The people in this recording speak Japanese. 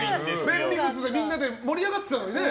便利グッズでみんなで盛り上がってたのにね。